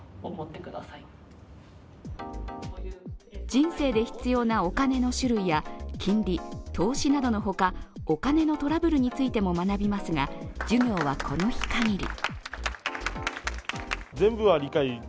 人生で必要なお金の種類や金利、投資などのほかお金のトラブルについても学びますが授業はこの日かぎり。